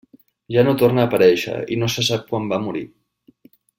Ja no torna a aparèixer i no se sap quan va morir.